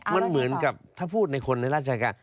มันเหมือนกับถ้าพูดในคนในราชการ